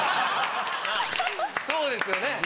そうですよね。